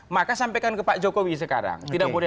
maka sampaikan ke pak jokowi sekarang tidak boleh